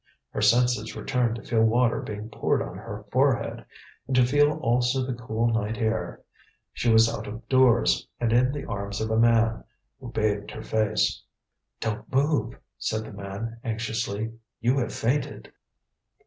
Her senses returned to feel water being poured on her forehead, and to feel also the cool night air. She was out of doors, and in the arms of a man, who bathed her face. "Don't move; don't move," said the man anxiously; "you have fainted."